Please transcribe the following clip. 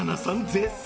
絶賛